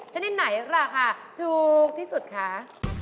ชนิดไหนราคาถูกที่สุดคะ